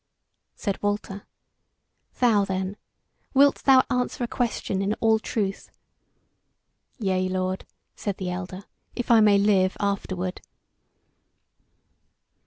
Said Walter: "Thou then, wilt thou answer a question in all truth?" "Yea, lord," said the elder, "if I may live afterward."